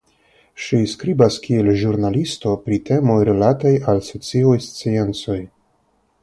Ŝi skribas kiel ĵurnalisto pri temoj rilataj al sociaj sciencoj.